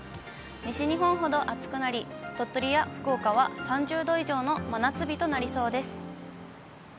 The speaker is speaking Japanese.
西日本ほど暑くなり、鳥取や福岡は３０度以上の真夏日となりそうです。